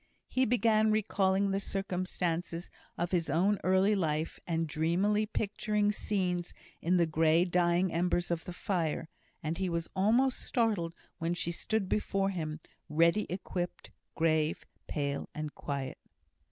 He began recalling the circumstances of his own early life, and dreamily picturing scenes in the grey dying embers of the fire; and he was almost startled when she stood before him, ready equipped, grave, pale, and quiet.